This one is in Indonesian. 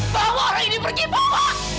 bawa orang ini pergi bapak